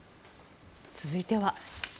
続いては。